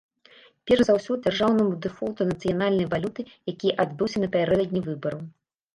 Перш за ўсё, дзяжурнаму дэфолту нацыянальнай валюты, які адбыўся напярэдадні выбараў.